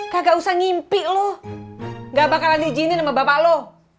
kagak usah ngimpi lu gak bakalan dijinin sama bapak lu